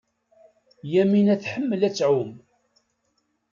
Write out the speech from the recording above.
Yamina tḥemmel ad tɛum.